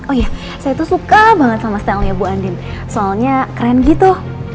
oh iya saya tuh suka banget sama style nya bu andien soalnya keren gitu